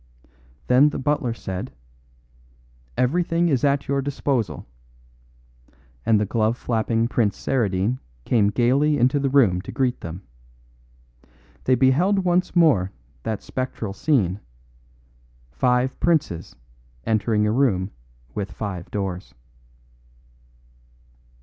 Then the butler said, "Everything is at your disposal;" and the glove flapping Prince Saradine came gaily into the room to greet them. They beheld once more that spectral scene five princes entering a room with five doors.